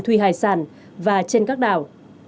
thuy hải sản và trên các đảo